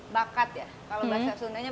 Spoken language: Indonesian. bakat ya kalau bahasa sundanya